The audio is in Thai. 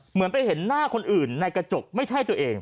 เหมือนไปเห็นหน้าคนอื่นในกระจกไม่ใช่ตัวเอง